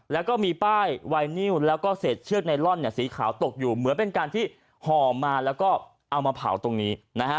แล้วก็มีป้ายไวนิวแล้วก็เศษเชือกไนลอนสีขาวตกอยู่เหมือนเป็นการที่ห่อมาแล้วก็เอามาเผาตรงนี้นะฮะ